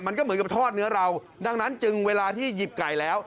มันก็เหมือนกับทอดเนื้อเราดังนั้นจึงเวลาที่หยิบไก่แล้ว